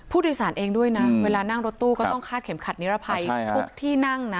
ผู้โดยสารเองด้วยนะเวลานั่งรถตู้ก็ต้องคาดเข็มขัดนิรภัยทุกที่นั่งนะ